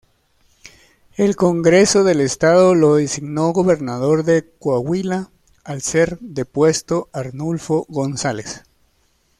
El Congreso del Estado lo designó gobernador de Coahuila al ser depuesto Arnulfo González.